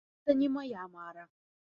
Гэта не мая мара.